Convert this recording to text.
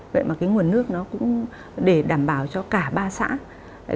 vậy mà cái nguồn nước nó cũng để đảm bảo cho cả ba xã